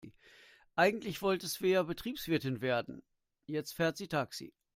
Eigentlich wollte Svea Betriebswirtin werden, jetzt fährt sie Taxi.